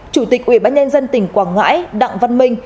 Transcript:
chủ tịch ubnd tỉnh quảng ngãi đặng văn minh